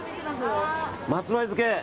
松前漬け。